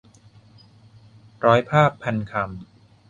ร้อยภาพ-พันคำ